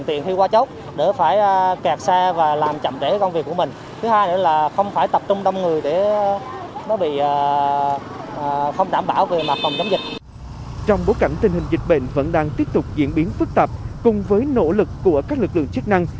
trong bối cảnh tình hình dịch bệnh vẫn đang tiếp tục diễn biến phức tạp cùng với nỗ lực của các lực lượng chức năng